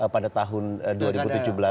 pada saat ini